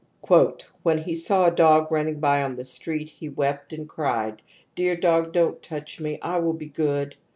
" When he saw a dog running by on the street he wept and cried :' Dear dog, don't touch me, I will be good.'